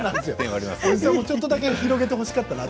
ちょっとだけ広げてほしかったなと。